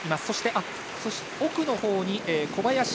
そして、奥のほうに小林。